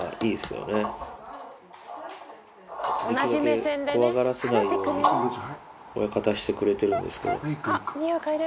できるだけ怖がらせないように、親方、してくれてるんですけど。